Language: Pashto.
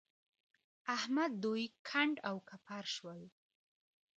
احمد دوی کنډ او کپر شول.